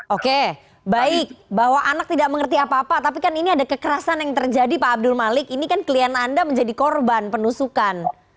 oke baik bahwa anak tidak mengerti apa apa tapi kan ini ada kekerasan yang terjadi pak abdul malik ini kan klien anda menjadi korban penusukan